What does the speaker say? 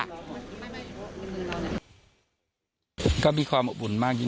ช่วยไปดำนาหน่อย